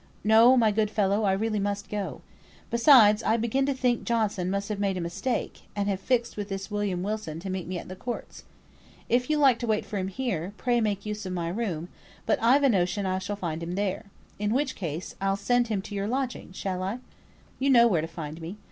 "No, my good fellow, I really must go. Besides, I begin to think Johnson must have made a mistake, and have fixed with this William Wilson to meet me at the courts. If you like to wait for him here, pray make use of my room; but I've a notion I shall find him there: in which case, I'll send him to your lodgings; shall I? You know where to find me.